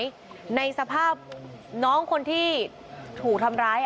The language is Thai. กลับมาพร้อมกับน้องผู้เสียหายในสภาพน้องคนที่ถูกทำร้าย